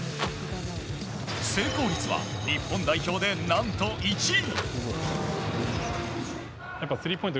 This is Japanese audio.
成功率は日本代表で何と１位。